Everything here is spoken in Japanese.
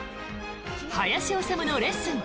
「林修のレッスン！